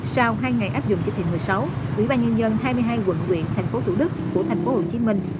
sau hai ngày áp dụng chỉ thị một mươi sáu quỹ ban nhân dân hai mươi hai quận huyện thành phố thủ đức của thành phố hồ chí minh